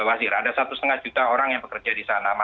ada satu setengah juta orang yang bekerja di sana